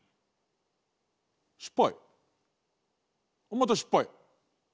また失敗。